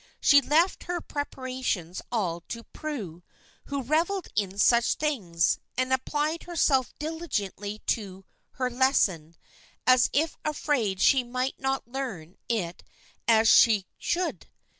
She left her preparations all to Prue, who revelled in such things, and applied herself diligently to her lesson as if afraid she might not learn it as she should.